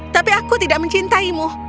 tapi aku tidak mencintaimu